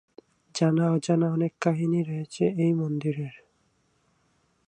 জানা অজানা অনেক কাহিনী রয়েছে এই মন্দিরের।